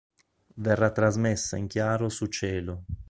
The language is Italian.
Verrà trasmessa in chiaro su Cielo.